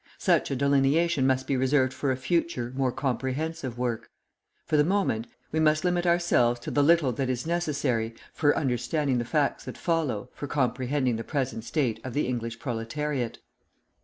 Such a delineation must be reserved for a future, more comprehensive work. For the moment, we must limit ourselves to the little that is necessary for understanding the facts that follow, for comprehending the present state of the English proletariat.